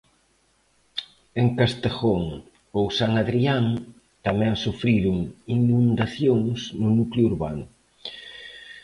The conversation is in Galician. En Castejón ou San Adrián tamén sufriron inundacións no núcleo urbano.